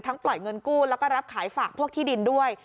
ปล่อยเงินกู้แล้วก็รับขายฝากพวกที่ดินด้วย